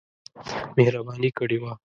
مهرباني کړې وه.